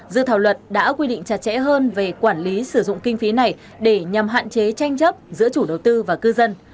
dự thảo luật đã quy định chặt chẽ hơn về quản lý sử dụng kinh phí này để nhằm hạn chế tranh chấp giữa chủ đầu tư và cư dân